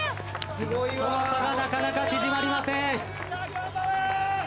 その差がなかなか縮まりません。